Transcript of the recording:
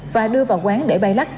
và đưa vào quán để bay lắc